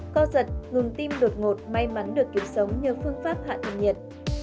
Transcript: co giật ngừng tim đột ngột may mắn được kiếm sống như phương pháp hạ thịt nhiệt